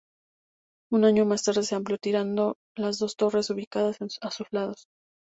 Un año más tarde se amplió tirando las dos torres ubicadas a sus lados.